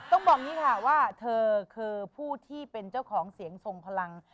ต้องบอกอย่างนี้ค่ะว่าเธอคือผู้ที่เป็นเจ้าของเสียงทรงพลัง